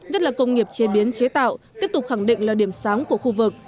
nhất là công nghiệp chế biến chế tạo tiếp tục khẳng định là điểm sáng của khu vực